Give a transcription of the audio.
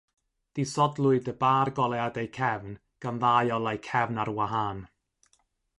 Disodlwyd y bar goleuadau cefn gan ddau olau cefn ar wahân.